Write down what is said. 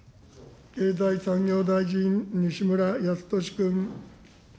経済産業大臣、西村康稔君。